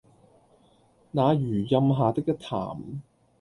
那榆蔭下的一潭